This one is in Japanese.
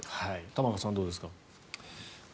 玉川さん、どうですか？